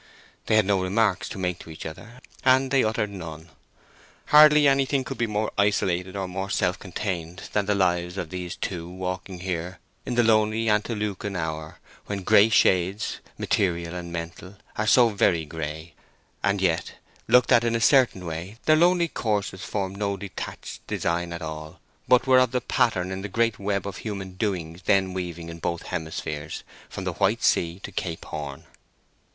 They had no remarks to make to each other, and they uttered none. Hardly anything could be more isolated or more self contained than the lives of these two walking here in the lonely antelucan hour, when gray shades, material and mental, are so very gray. And yet, looked at in a certain way, their lonely courses formed no detached design at all, but were part of the pattern in the great web of human doings then weaving in both hemispheres, from the White Sea to Cape Horn.